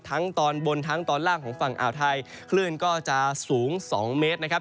ตอนบนทั้งตอนล่างของฝั่งอ่าวไทยคลื่นก็จะสูง๒เมตรนะครับ